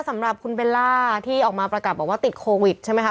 สำหรับคุณเบลล่าที่ออกมาประกาศบอกว่าติดโควิดใช่ไหมคะ